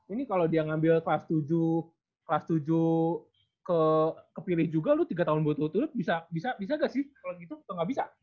ini kalau dia ngambil kelas tujuh ke pilih juga lu tiga tahun buat tutup bisa gak sih kalau gitu atau gak bisa